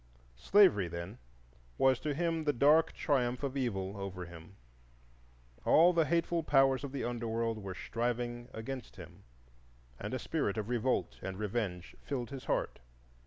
Slavery, then, was to him the dark triumph of Evil over him. All the hateful powers of the Under world were striving against him, and a spirit of revolt and revenge filled his heart.